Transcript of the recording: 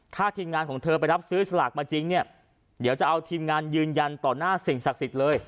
ถ้าทีมงานของเธอไปรับซื้อสลากมาจริงเนี่ยเดี๋ยวจะเอาทีมงานยืนยันต่อหน้าสิ่งศักดิ์สิทธิ์เลย